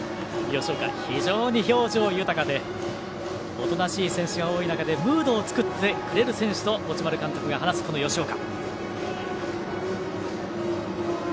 吉岡、非常に表情豊かでおとなしい選手が多い中でムードを作ってくれる選手と持丸監督が話す吉岡。